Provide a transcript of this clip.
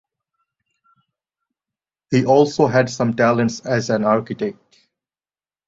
He also had some talents as an architect.